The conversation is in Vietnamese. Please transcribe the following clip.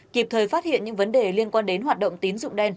kịp thời phát hiện những vấn đề liên quan đến hoạt động tín dụng đen